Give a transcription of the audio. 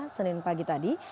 senin pagi tadi